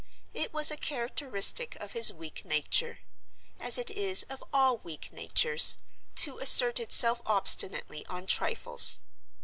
It was a characteristic of his weak nature—as it is of all weak natures—to assert itself obstinately on trifles.